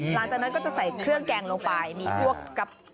หลังจากนั้นก็จะใส่เครื่องแกงลงไปที่เป็นแบบว่าคล้ายกับคลั่วกี้